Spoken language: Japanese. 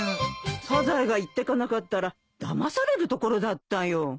サザエが言ってかなかったらだまされるところだったよ。